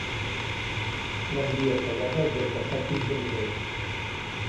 Gran Via tallada des de fa quinze minuts.